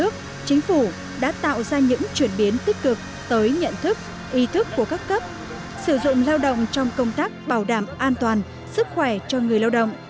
chính phủ đã tạo ra những chuyển biến tích cực tới nhận thức ý thức của các cấp sử dụng lao động trong công tác bảo đảm an toàn sức khỏe cho người lao động